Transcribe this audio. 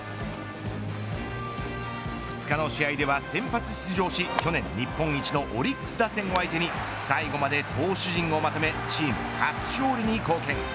２日の試合では先発出場し去年日本一のオリックス打線を相手に最後まで投手陣をまとめチーム初勝利に貢献。